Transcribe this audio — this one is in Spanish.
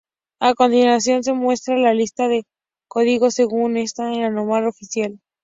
A continuación se muestra la lista de códigos según están en la norma oficial.